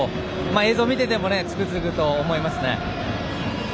映像見ていてもつくづくと思います。